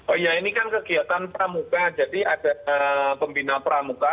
oh iya ini kan kegiatan pramuka jadi ada pembina pramuka